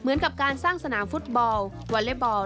เหมือนกับการสร้างสนามฟุตบอลวอเล็กบอล